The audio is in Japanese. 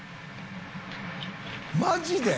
マジで？